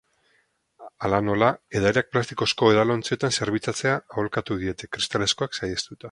Hala nola, edariak plastikozko edalontzietan zerbitzatzea aholkatu diete, kristalezkoak saihestuta.